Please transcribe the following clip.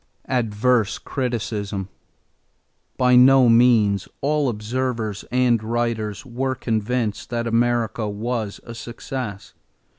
=Adverse Criticism.= By no means all observers and writers were convinced that America was a success.